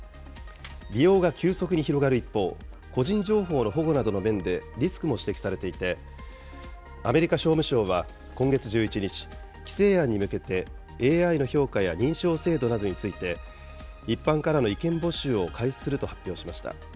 利用が急速に広がる一方、個人情報の保護などの面でリスクも指摘されていて、アメリカ商務省は、今月１１日、規制案に向けて、ＡＩの評価や認証制度などについて、一般からの意見募集を開始すると発表しました。